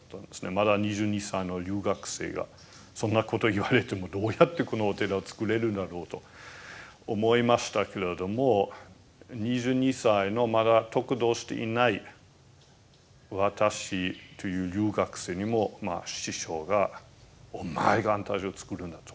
まだ２２歳の留学生がそんなこと言われてもどうやってこのお寺を作れるんだろうと思いましたけれども２２歳のまだ得度をしていない私という留学生にも師匠が「お前が安泰寺を作るんだ」と。